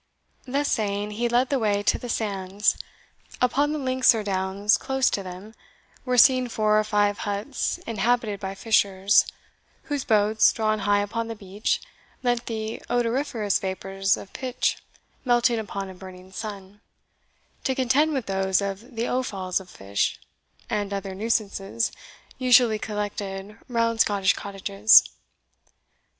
Thus saying, he led the way to the sands. Upon the links or downs close to them, were seen four or five huts inhabited by fishers, whose boats, drawn high upon the beach, lent the odoriferous vapours of pitch melting under a burning sun, to contend with those of the offals of fish and other nuisances usually collected round Scottish cottages.